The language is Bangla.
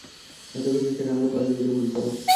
এতকিছু শেখানোর পরেও যদি ভুল করো।